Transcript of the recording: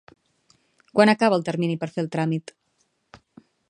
Quan acaba el termini per fer el tràmit?